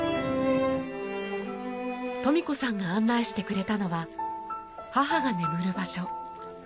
トミコさんが案内してくれたのは母が眠る場所。